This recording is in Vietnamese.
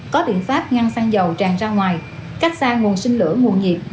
có biện pháp ngăn xăng dầu tràn ra ngoài cách xa nguồn sinh lửa nguồn nhiệt